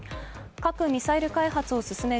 核・ミサイル開発を進める